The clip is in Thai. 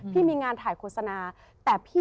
พี่มีงานถ่ายโฆษณา